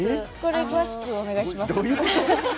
詳しくお願いします。